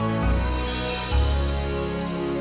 cukup cukup cukup